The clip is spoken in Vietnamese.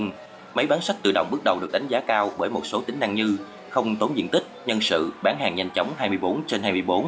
máy bán sách tự động bước đầu được đánh giá cao bởi một số tính năng như không tốn diện tích nhân sự bán hàng nhanh chóng hai mươi bốn trên hai mươi bốn